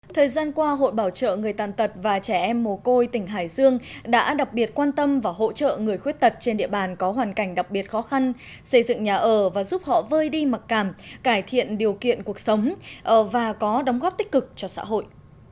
thời gian qua hội bảo trợ người tàn tật và trẻ em mồ côi tỉnh hải dương đã đặc biệt quan tâm và hỗ trợ người khuyết tật trên địa bàn có hoàn cảnh đặc biệt khó khăn xây dựng nhà ở và giúp họ vơi đi mặc cảm cải thiện điều kiện cuộc sống và có đóng góp tích cực cho xã hội